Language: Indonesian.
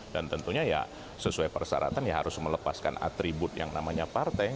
dan tentunya ya sesuai persyaratan ya harus melepaskan atribut yang namanya partai